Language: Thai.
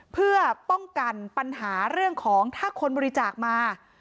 เพื่อป้องกันปัญหาเรื่องของถ้าคนบริจาคมา